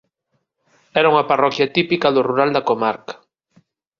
Era unha parroquia típica do rural da comarca.